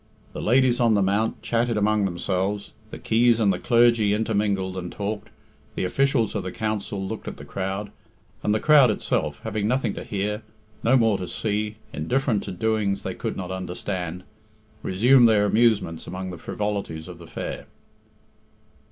The ladies on the mount chatted among themselves, the Keys and the clergy intermingled and talked, the officials of the Council looked at the crowd, and the crowd itself, having nothing to hear, no more to see, indifferent to doings they could not understand, resumed their amusements among the frivolities of the fair.